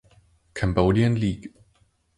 Cambodian League